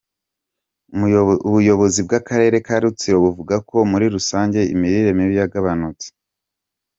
Umuyobozi bw’Akarere ka Rutsiro buvuga ko muri rusange imirire mibi yugabanutse.